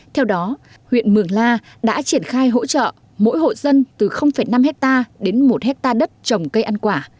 theo đó huyện mường la đã triển khai hỗ trợ mỗi hộ dân từ năm hectare đến một hectare đất trồng cây ăn quả